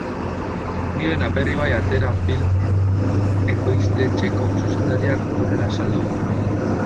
Miren Aperribai Atera Films ekoiztetxeko zuzendariak honela azaldu du.